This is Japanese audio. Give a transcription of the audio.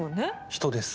人です。